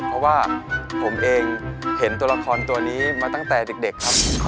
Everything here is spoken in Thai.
เพราะว่าผมเองเห็นตัวละครตัวนี้มาตั้งแต่เด็กครับ